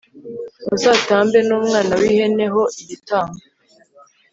muzatambe n umwana w ihene ho igitambo